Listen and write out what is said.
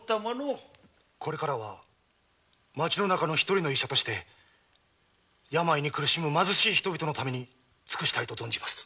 これからは町の中の一人の医者として病に苦しむ貧しい人々のために尽くしたいと存じます。